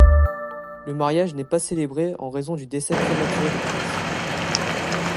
Le mariage n'est pas célébré en raison du décès prématuré du prince.